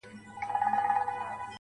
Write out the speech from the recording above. د مرگي راتلو ته، بې حده زیار باسه,